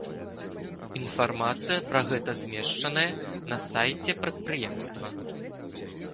Інфармацыя пра гэта змешчаная на сайце прадпрыемства.